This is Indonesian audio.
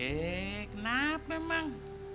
eee kenapa mang